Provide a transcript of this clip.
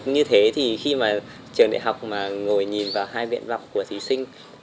như thế thì khi trường đại học ngồi nhìn vào hai viện vọng của thí sinh